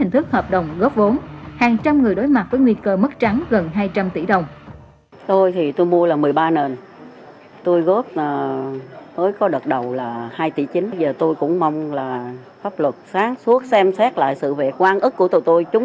hình thức hợp đồng góp vốn hàng trăm người đối mặt với nguy cơ mất trắng gần hai trăm linh tỷ đồng